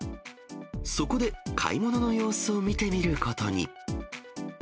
そこで買い物の様子を見てみることに。